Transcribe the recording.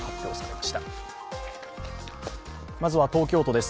まずは東京都です。